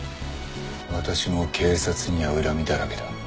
「私も警察には恨みだらけだ」